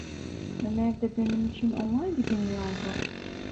Ömer de benim için onlar gibi mi oldu?